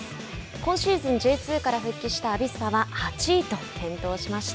今シーズン、Ｊ２から復帰したアビスパは８位と健闘しました。